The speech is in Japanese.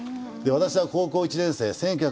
私は高校１年生